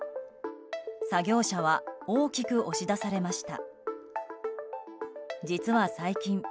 作業車は大きく押し出されました。